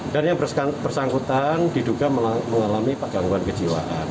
dan yang bersangkutan diduga mengalami gangguan kejiwaan